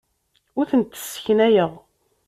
Ur tent-sseknayeɣ.